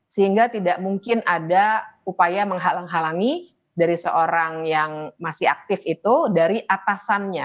sehingga tidak mungkin ada upaya menghalang halangi dari seorang yang masih aktif itu dari atasannya